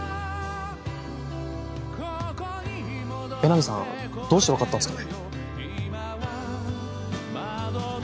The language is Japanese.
江波さんどうしてわかったんすかね？